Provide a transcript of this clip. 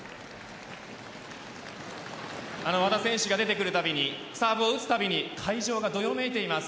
和田選手が出てくるたびにサーブを打つたびに会場がどよめいています。